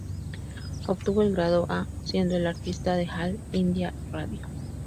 Obtuvo el grado 'A' siendo el artista de "All India Radio".